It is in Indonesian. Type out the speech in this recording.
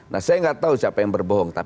nah saya nggak tahu siapa yang berbohong